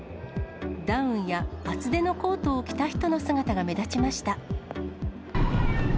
ダウンや厚手のコートを着た人の姿が目立ちました。